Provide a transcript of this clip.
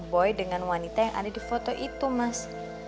boy dengan wanita yang ada di foto itu mas